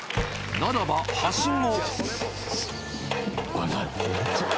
ならばはしご。